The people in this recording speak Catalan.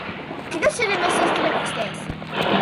Quines eren les alternatives?